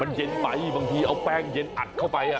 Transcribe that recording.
มันเย็นไปบางทีเอาแป้งเย็นอัดเข้าไป